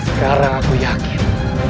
sekarang aku yakin